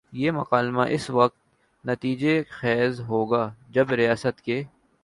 یہ مکالمہ اسی وقت نتیجہ خیز ہو گا جب ریاست کے